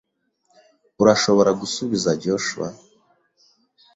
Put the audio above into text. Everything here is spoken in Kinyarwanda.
Urashobora gusubiza Joshua.